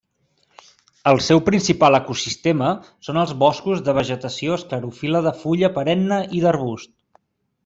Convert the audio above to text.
El seu principal ecosistema són els boscos de vegetació esclerofil·la de fulla perenne i d'arbust.